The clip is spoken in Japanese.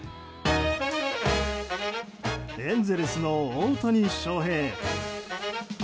エンゼルスの大谷翔平選手。